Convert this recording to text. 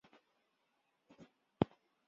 他将李维史陀的思想引进英国社会人类学。